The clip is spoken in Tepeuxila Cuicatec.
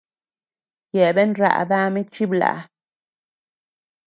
Yeabean raʼa dami chiblaʼa.